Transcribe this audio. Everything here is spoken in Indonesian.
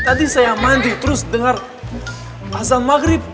tadi saya mandi terus dengar masang maghrib